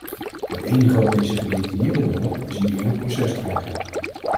Het enige wat deze gedetineerden willen is een eerlijk proces krijgen.